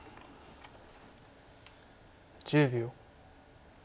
１０秒。